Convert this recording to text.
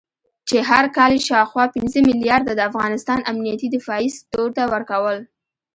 چې هر کال یې شاوخوا پنځه مليارده د افغانستان امنيتي دفاعي سکتور ته ورکول